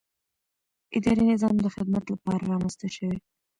اداري نظام د خدمت لپاره رامنځته شوی.